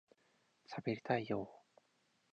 しゃべりたいよ～